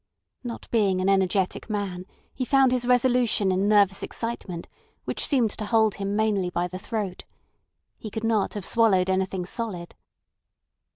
Not being an energetic man, he found his resolution in nervous excitement, which seemed to hold him mainly by the throat. He could not have swallowed anything solid.